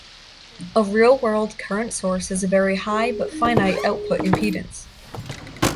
A "real-world" current source has a very high, but finite output impedance.